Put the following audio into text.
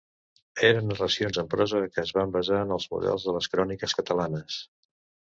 Eren narracions en prosa que es van basar en els models de les cròniques catalanes.